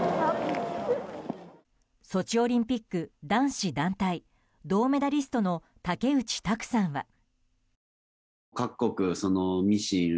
ソチオリンピック男子団体銅メダリストの竹内択さんは。